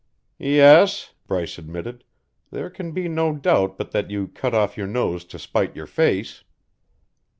"Yes," Bryce admitted, "there can be no doubt but that you cut off your nose to spite your face."